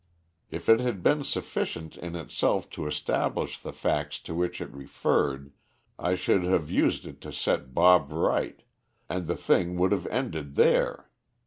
If it had been sufficient in itself to establish the facts to which it referred I should have used it to set Bob right, and the thing would have ended there.